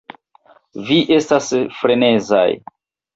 Vi estas frenezaj!